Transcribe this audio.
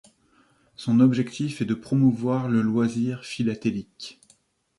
Son objectif est de promouvoir le loisir philatélique.